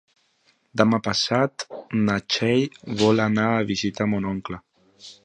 Demà passat na Txell vol anar a visitar mon oncle.